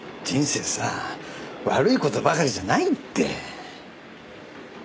人生さ悪い事ばかりじゃないって。